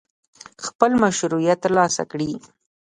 خپل مشروعیت ترلاسه کړي.